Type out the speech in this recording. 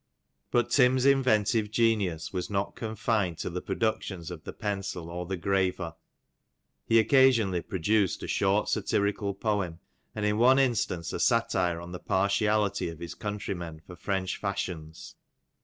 But Tim's inventive genius was not confined to the pro ductions of the pencil, or the graver ; he occasionally produced a short satirical poem, and in one instance a satire on the partiality of his countrymen for French fashions.